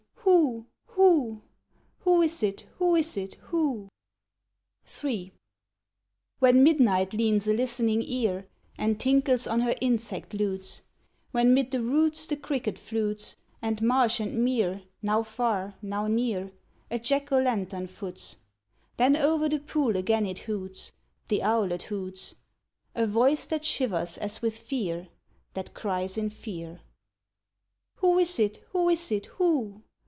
Who is it, who is it, who?" III When midnight leans a listening ear And tinkles on her insect lutes; When 'mid the roots the cricket flutes, And marsh and mere, now far, now near, A jack o' lantern foots; Then o'er the pool again it hoots, The owlet hoots; A voice that shivers as with fear, That cries in fear: "Who is it, who is it, who?